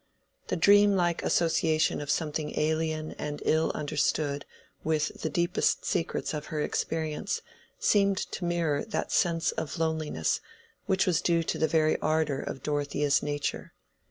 The dream like association of something alien and ill understood with the deepest secrets of her experience seemed to mirror that sense of loneliness which was due to the very ardor of Dorothea's nature.